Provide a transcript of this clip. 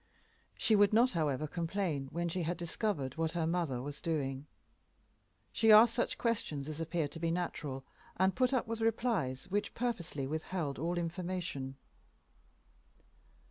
She would not, however, complain when she had discovered what her mother was doing. She asked such questions as appeared to be natural, and put up with replies which purposely withheld all information.